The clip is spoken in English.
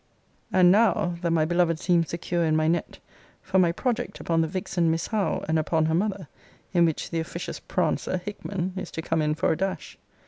And now, that my beloved seems secure in my net, for my project upon the vixen Miss Howe, and upon her mother: in which the officious prancer Hickman is to come in for a dash.